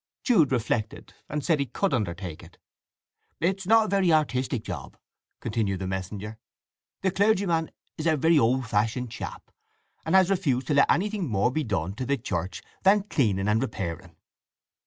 Jude reflected, and said he could undertake it. "It is not a very artistic job," continued the messenger. "The clergyman is a very old fashioned chap, and he has refused to let anything more be done to the church than cleaning and repairing."